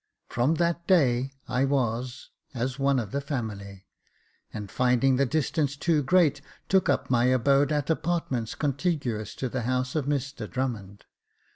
From that day, I was as one of the family, and, finding the distance too great, took up my abode at apart ments contiguous to the house of Mr Drummond.